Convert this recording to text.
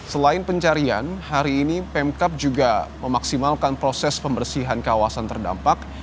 selain pencarian hari ini pemkap juga memaksimalkan proses pembersihan kawasan terdampak